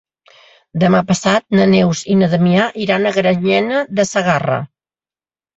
Demà passat na Neus i na Damià iran a Granyena de Segarra.